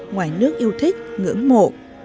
ngoài nước yêu thích ngưỡng mộ